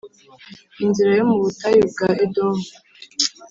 inzira yo mu butayu bwa Edomu